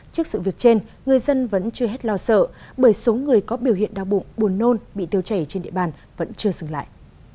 trước sự việc trên người dân vẫn chưa hết lo sợ bởi số người có biểu hiện đau bụng buồn nôn bị tiêu chảy trên địa bàn vẫn chưa dừng lại